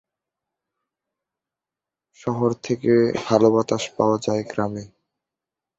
খাগড়াছড়ি সদর উপজেলার সর্ব-দক্ষিণে খাগড়াছড়ি সদর ইউনিয়নের অবস্থান।